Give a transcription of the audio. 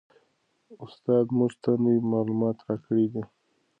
استاد موږ ته نوي معلومات راکړي دي.